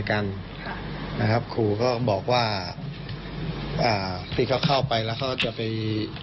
ยันมันยังไม่เข้าต่อไป